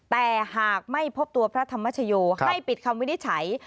แต่หากไม่พบตัวพระธรรมชโยให้ปิดคำวินิจฉัย